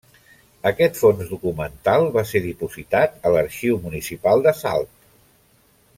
Aquest fons documental va ser dipositat a l'Arxiu Municipal de Salt.